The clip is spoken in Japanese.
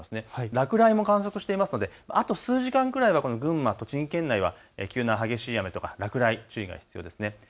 落雷も観測していますのであと数時間ぐらいは群馬、栃木県内は急な激しい雨や落雷に注意が必要です。